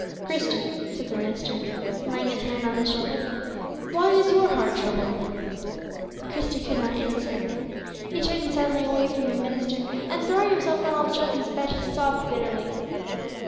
"Christie," said the minister, laying his hand on his shoulder, "why is your heart troubled?" But Christie could not answer. He turned suddenly away from the minister, and, throwing himself on old Treffy's bed, he sobbed bitterly.